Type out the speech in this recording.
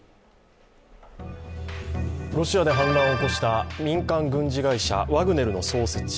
ロシアで反乱を起こした民間軍事会社、ワグネルの創設者